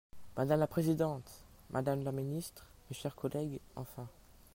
Madame la présidente, madame la ministre, mes chers collègues, enfin